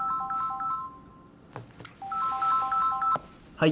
はい。